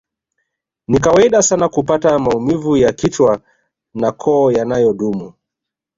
Ni kawaida sana kupata maumivu ya kichwa na koo yanayodumu